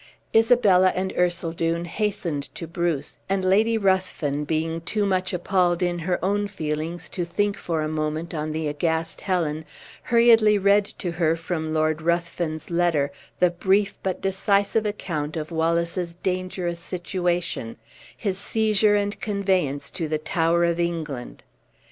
Isabella and Ercildown hastened to Bruce; and Lady Ruthven being too much appalled in her own feelings to think for a moment on the aghast Helen, hurriedly read to her from Lord Ruthven's letter the brief but decisive account of Wallace's dangerous situation his seizure and conveyance to the Tower of England.